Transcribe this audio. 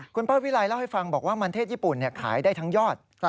คุณพ่อวิไลเล่าให้ฟังบอกว่ามันเทศญี่ปุ่นขายได้ทั้งยอด